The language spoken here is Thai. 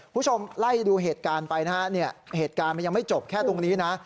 คุณผู้ชมไล่ดูเหตุการณ์ไปนะฮะเนี่ยเหตุการณ์มันยังไม่จบแค่ตรงนี้นะ